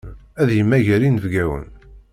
Ad yemmager inebgawen.